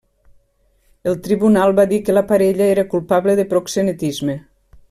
El tribunal va dir que la parella era culpable de proxenetisme.